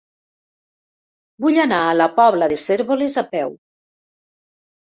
Vull anar a la Pobla de Cérvoles a peu.